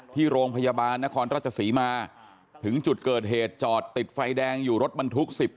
ที่โรงพยาบาลนครราชศรีมาถึงจุดเกิดเหตุจอดติดไฟแดงอยู่รถบรรทุก๑๐